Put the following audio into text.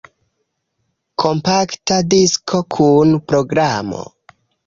Kompakta disko kun programo.